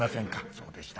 「そうでした。